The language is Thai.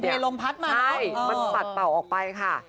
เผื่อลมเผลอลมพัดมาใช่มันตัดเปล่าออกไปค่ะ